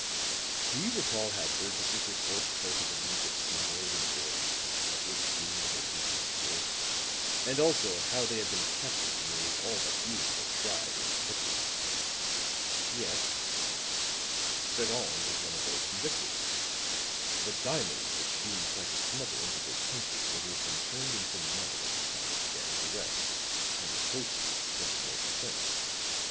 Do you recall how Burgess' report spoke of a league of smugglers in Europe of which Hume was a leading spirit, and also of how they had been captured and nearly all but Hume were tried and convicted?" "Yes." "Sagon was one of those convicted. The diamonds which Hume tried to smuggle into this country were to have been turned into money at the time of the gang's arrest and the proceeds spent in their defense.